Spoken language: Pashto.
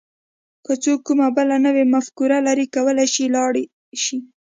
که څوک کومه بله نوې مفکوره لري کولای شي لاړ شي.